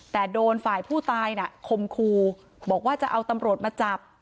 แต่โดนฝ่ายผู้ตายน่ะคมคูบอกว่าจะเอาตำรวจมาจับ